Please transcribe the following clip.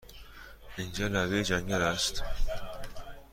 اینجا لبه جنگل است!